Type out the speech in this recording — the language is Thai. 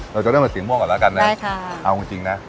เราจะด้วยเหมือนสีม่วงก่อนแล้วกันนะครับเอาจริงนะได้ค่ะ